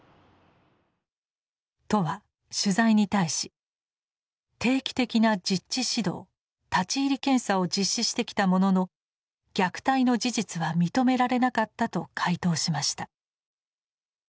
都は取材に対し「定期的な実地指導立入検査を実施してきたものの虐待の事実は認められなかった」と回答しました。